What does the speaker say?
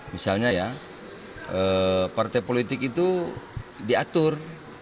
misalnya ya partai politik itu diatur